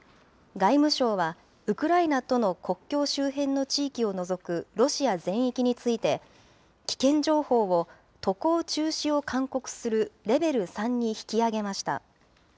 外務省は、ウクライナとの国境周辺の地域を除くロシア全域について、危険情報を渡航中止を勧告するレベル３に引き上げました。